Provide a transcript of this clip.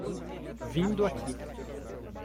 Vindo aqui